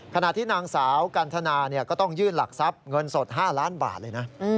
ขณะที่นางสาวกันทนาก็ต้องยื่นหลักทรัพย์เงินสด๕ล้านบาทเลยนะ